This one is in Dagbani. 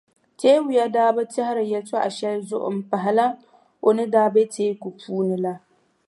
Tawia daa bi tɛhiri yɛltɔɣʼ shɛli zuɣu m-pahila o ni daa be teeku puuni la.